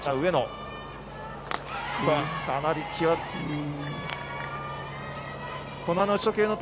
かなり際どい球。